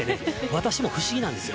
私も不思議です。